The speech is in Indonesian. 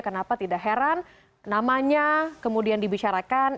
kenapa tidak heran namanya kemudian dibicarakan